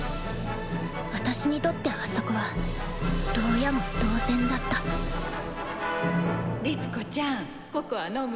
私にとってあそこは牢屋も同然だった律子ちゃんココア飲む？